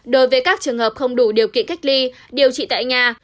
đối với các trường hợp không đủ điều kiện cách ly điều trị tại nhà